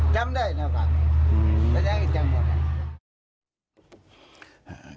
จำได้นะครับก็อย่างนี้มึง